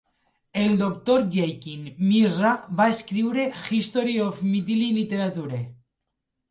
El doctor Jaikant Mishra va escriure "History of Miathili literature".